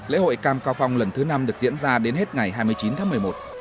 lễ hội cam cao phong lần thứ năm được diễn ra đến hết ngày hai mươi chín tháng một mươi một